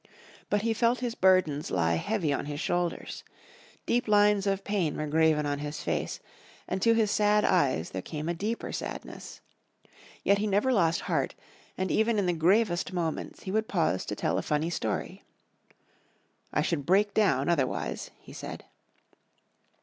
But he felt his burdens lie heavy on his shoulders. Deep lines of pain were graven on his face, and to his sad eyes there came a deeper sadness. Yet he never lost heart, and even in the gravest moments he would pause to tell a funny story. "I should break down otherwise," he said.